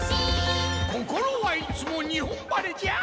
心はいつも日本晴れじゃ。